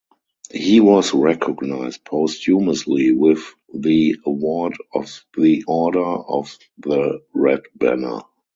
He was recognized posthumously with the award of the Order of the Red Banner.